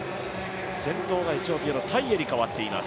先頭がエチオピアのタイエに変わっています。